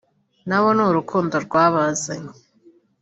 nabo ni urukundo rwabazanye